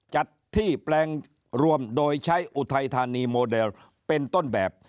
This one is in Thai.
จัดที่แปลงรวมโดยใช้อุทัยธานีโมเดลเป็นต้นแบบ